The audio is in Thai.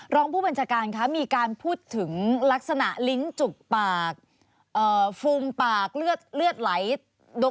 รองผู้บัญชาการคะมีการพูดถึงลักษณะลิ้นจุกปากฟูมปากเลือดไหล